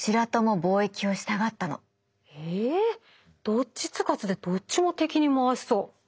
どっちつかずでどっちも敵に回しそう。